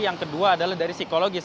yang kedua adalah dari psikologis